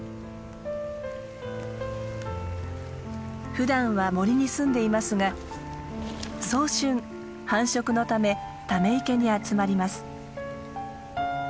ふだんは森に住んでいますが早春繁殖のためため池に集まります。